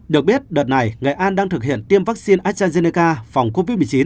được biết đợt này nghệ an đang thực hiện tiêm vaccine astrazeneca phòng covid một mươi chín